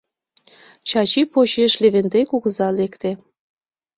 Чачи почеш Левентей кугыза лекте.